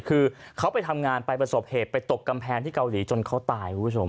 คือเขาไปทำงานไปประสบเหตุไปตกกำแพงที่เกาหลีจนเขาตายคุณผู้ชม